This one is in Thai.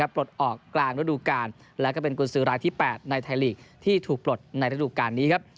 ปลดออกกลางระดูการและก็เป็นกุญสือรายที่๘ในไทยลีกที่ถูกปลดในระดูการนี้ครับ